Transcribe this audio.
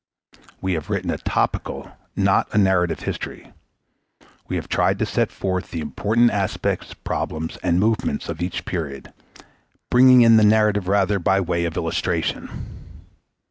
_ We have written a topical, not a narrative, history. We have tried to set forth the important aspects, problems, and movements of each period, bringing in the narrative rather by way of illustration.